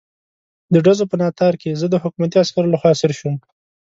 د ډزو په ناتار کې زه د حکومتي عسکرو لخوا اسیر شوم.